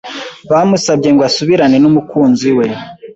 bamusabye ngo asubirane n’umukunzi we